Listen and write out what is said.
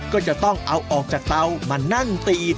ก็จะต้องเอาออกจากเตามานั่งตี